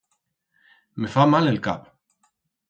Me fa mal el cap.